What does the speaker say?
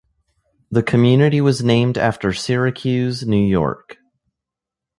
The community was named after Syracuse, New York.